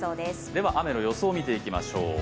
では雨の予想を見ていきましょう。